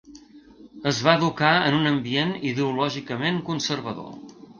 Es va educar en un ambient ideològicament conservador.